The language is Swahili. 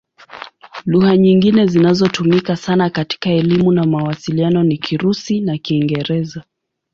Lugha nyingine zinazotumika sana katika elimu na mawasiliano ni Kirusi na Kiingereza.